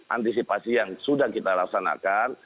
antisipasi yang sudah kita laksanakan